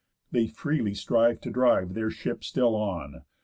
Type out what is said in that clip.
They freely striv'd to drive Their ship still on.